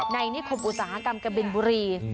ในนิคมอุตสาหกรรมกบินบุรี